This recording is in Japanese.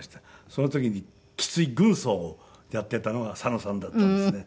その時にきつい軍曹をやっていたのが佐野さんだったんですね。